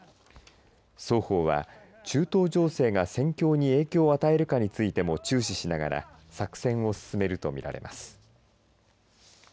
双方は中東情勢が戦況に影響を与えるかについても注視しながら作戦を進めると見られます。